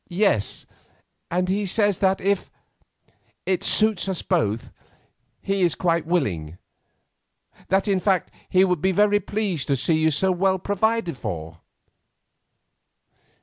"Yes, and he says that if—it suits us both, he is quite willing; that, in fact, he would be very pleased to see you so well provided for."